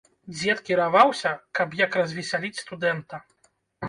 Дзед кіраваўся, каб як развесяліць студэнта.